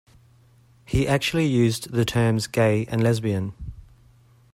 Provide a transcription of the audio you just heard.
He actually used the terms gay and lesbian.